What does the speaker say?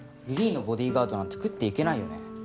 フリーのボディーガードなんて食っていけないよね。